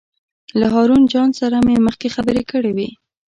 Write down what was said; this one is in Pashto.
له هارون جان سره مې مخکې خبرې کړې وې.